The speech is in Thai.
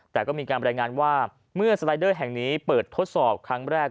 แต่ก็มีการบรรยายงานว่าเมื่อสไลเดอร์แห่งนี้เปิดทดสอบครั้งแรก